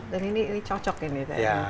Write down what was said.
dan ini cocok ya